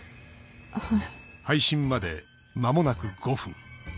はい。